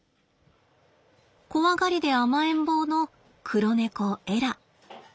怖がりで甘えん坊の黒猫エラ。